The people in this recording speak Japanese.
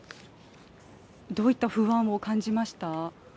どういった不安を感じました？